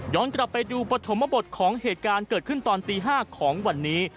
กลับไปดูปฐมบทของเหตุการณ์เกิดขึ้นตอนตี๕ของวันนี้